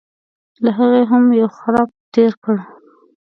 له هغې هم یو خرپ تېر کړي.